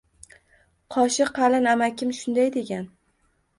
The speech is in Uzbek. Qoshi qalin amakim shunday degan